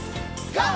ＧＯ！